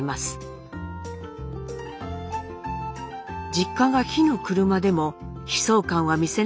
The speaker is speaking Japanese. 実家が火の車でも悲壮感は見せなかったといいます。